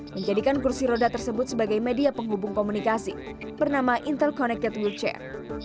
menjadikan kursi roda tersebut sebagai media penghubung komunikasi bernama intel connected wheelchair